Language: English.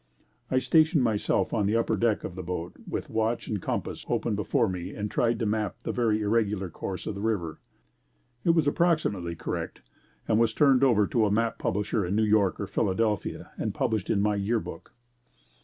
I stationed myself on the upper deck of the boat with watch and compass open before me and tried to map the very irregular course of the river. It was approximately correct and was turned over to a map publisher in New York or Philadelphia and published in my Year Book.